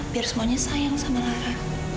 biar semuanya sayang sama lara